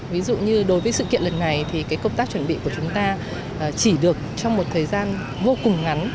ví dụ như đối với sự kiện lần này thì công tác chuẩn bị của chúng ta chỉ được trong một thời gian vô cùng ngắn